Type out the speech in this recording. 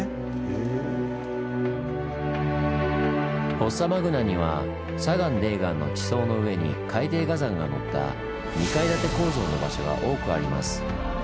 フォッサマグナには砂岩泥岩の地層の上に海底火山がのった２階建て構造の場所が多くあります。